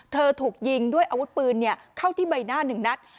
ถูกยิงด้วยอาวุธปืนเข้าที่ใบหน้า๑นัด